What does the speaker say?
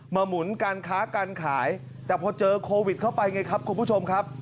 หมุนการค้าการขายแต่พอเจอโควิดเข้าไปไงครับคุณผู้ชมครับ